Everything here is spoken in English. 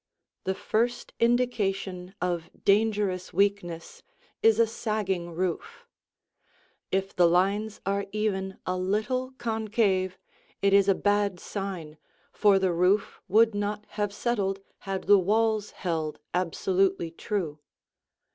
The first indication of dangerous weakness is a sagging roof. If the lines are even a little concave, it is a bad sign, for the roof would not have settled had the walls held absolutely true.